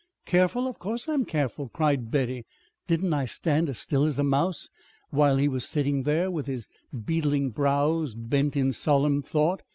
"Careful? Of course I'm careful," cried Betty. "Didn't I stand as still as a mouse while he was sitting there with his beetling brows bent in solemn thought?